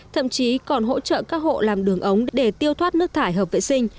thậm chí còn hỗ trợ các hộ làm đường ống để tiêu thoát nước thải hợp vệ sinh